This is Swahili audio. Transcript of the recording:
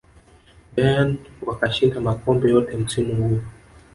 bayern wakashinda makombe yote msimu huo